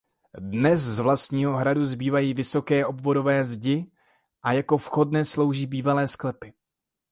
Dnes z vlastního hradu zbývají vysoké obvodové zdi. Jako vchod dnes slouží bývalé sklepy.